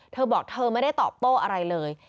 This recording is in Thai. เธอบอกเธอไม่ได้ตอบโต้อะไรเลย